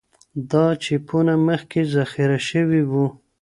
دا چېپونه مخکې ذخیره شوي وو.